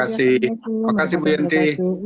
terima kasih bu yenty